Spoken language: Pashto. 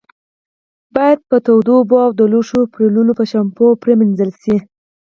باید په تودو اوبو او د لوښو منځلو په شامپو پرېمنځل شي.